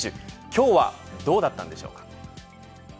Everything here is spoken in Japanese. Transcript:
今日はどうだったんでしょうか。